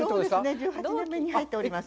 １８年目に入っております。